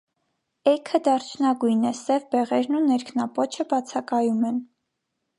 Էգը դարչնագույն է, սև բեղերն ու ներքնապոչը բացակայում են։